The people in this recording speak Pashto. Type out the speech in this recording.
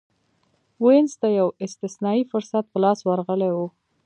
وینز ته یو استثنايي فرصت په لاس ورغلی و.